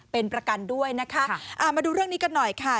เป็นประกันด้วยนะคะอ่ามาดูเรื่องนี้กันหน่อยค่ะ